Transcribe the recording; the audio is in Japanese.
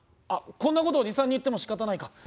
あっこんなことおじさんに言ってもしかたないか。